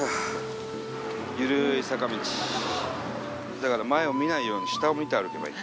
だから前を見ないように下を見て歩けばいい。